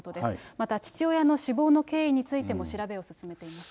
また父親の死亡の経緯についても調べを進めています。